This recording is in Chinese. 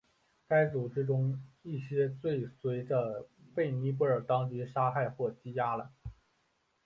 该组织中一些最随着被尼泊尔当局杀害或羁押了。